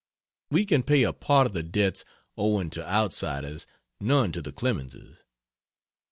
We can pay a part of the debts owing to outsiders none to the Clemenses.